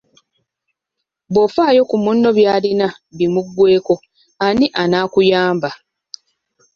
Bwofaayo ku munno by'alina bimuggweko ani anaakuyamba?